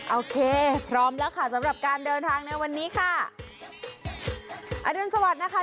โอเคพร้อมแล้วค่ะสำหรับการเดินทางในวันนี้ค่ะอรุณสวัสดิ์นะคะ